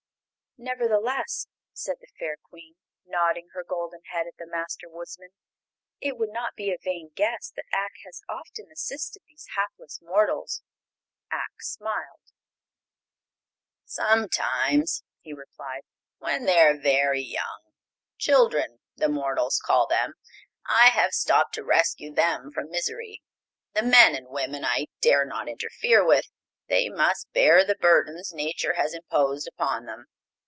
"Nevertheless," said the fair Queen, nodding her golden head at the Master Woodsman, "it would not be a vain guess that Ak has often assisted these hapless mortals." Ak smiled. "Sometimes," he replied, "when they are very young 'children,' the mortals call them I have stopped to rescue them from misery. The men and women I dare not interfere with; they must bear the burdens Nature has imposed upon them.